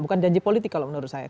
bukan janji politik kalau menurut saya